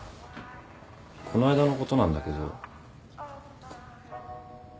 この間のことなんだけど。